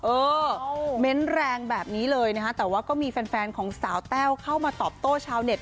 เออเม้นต์แรงแบบนี้เลยนะฮะแต่ว่าก็มีแฟนแฟนของสาวแต้วเข้ามาตอบโต้ชาวเน็ต